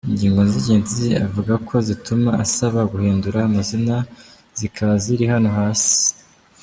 Ingingo z’ingenzi avuga ko zituma asaba guhindura amazina zikaba ziri hano hasi:.